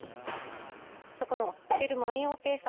そこのホテル万葉亭さん。